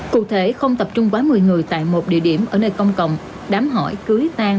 cụ thể không tập trung quá một mươi người tại một địa điểm ở nơi công cộng đám hỏi cưới tan